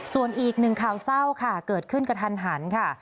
ส่วนอีกหนึ่งข่าวเศร้าค่ะเกิดขึ้นกระทันหันค่ะ